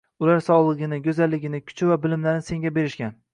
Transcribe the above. Ular sogʻligini, goʻzalligini, kuchi va bilimlarini senga berishgan.